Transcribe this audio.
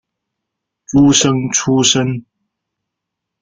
诸生出身。